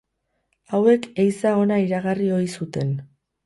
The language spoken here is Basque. Hauek, ehiza ona iragarri ohi zuten.